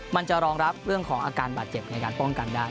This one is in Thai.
มันจะรองรับเรื่องของอาการบาดเจ็บในการป้องกันได้